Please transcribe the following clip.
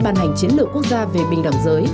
ban hành chiến lược quốc gia về bình đẳng giới